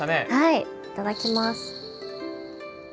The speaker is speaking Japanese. いただきます。